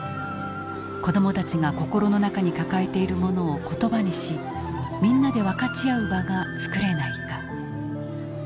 子どもたちが心の中に抱えているものを言葉にしみんなで分かち合う場が作れないか。